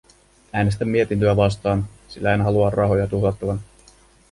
Äänestän mietintöä vastaan, sillä en halua rahoja tuhlattavan.